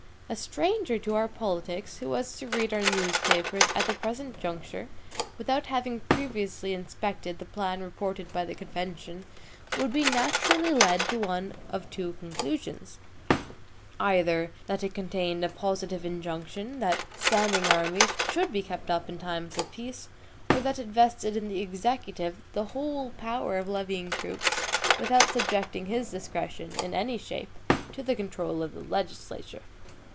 A stranger to our politics, who was to read our newspapers at the present juncture, without having previously inspected the plan reported by the convention, would be naturally led to one of two conclusions: either that it contained a positive injunction, that standing armies should be kept up in time of peace; or that it vested in the EXECUTIVE the whole power of levying troops, without subjecting his discretion, in any shape, to the control of the legislature.